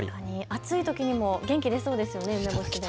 暑いときにも元気出そうですよね。